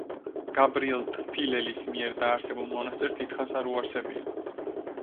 გაბრიელ ტფილელის მიერ დაარსებულ მონასტერს დიდხანს არ უარსებია.